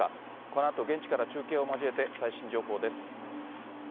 このあと現地から中継を交えて、最新情報です。